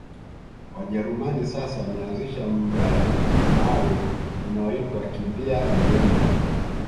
Wajerumani sasa wameanzisha mradi maalumu unaoitwa kimbia liemba